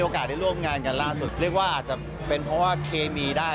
ใกล้ชิดไหมพี่